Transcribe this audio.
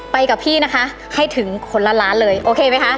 ไปกับพี่นะคะให้ถึงคนละล้านเลยโอเคไหมคะ